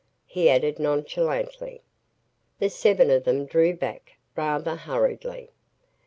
he added, nonchalantly. The seven of them drew back, rather hurriedly.